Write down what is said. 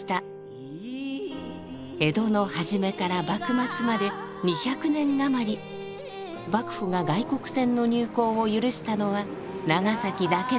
江戸の初めから幕末まで２００年余り幕府が外国船の入港を許したのは長崎だけだったからです。